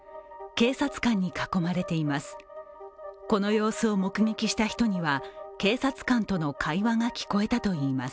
警察官に囲まれています。